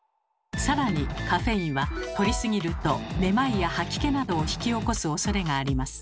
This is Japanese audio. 更にカフェインはとりすぎるとめまいや吐き気などを引き起こすおそれがあります。